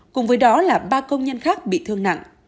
cùng với đó là ba công nhân khác bị thương nặng